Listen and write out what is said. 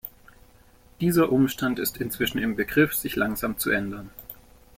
Dieser Umstand ist inzwischen im Begriff, sich langsam zu ändern.